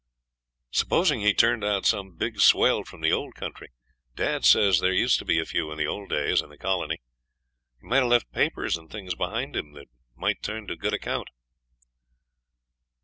'Suppose he turned out some big swell from the old country? Dad says there used to be a few in the old days, in the colony. He might have left papers and things behind him that might turn to good account.'